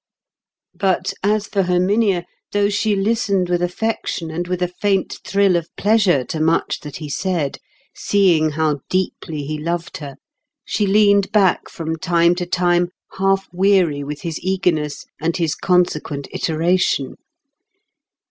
But as for Herminia, though she listened with affection and with a faint thrill of pleasure to much that he said, seeing how deeply he loved her, she leaned back from time to time, half weary with his eagerness, and his consequent iteration.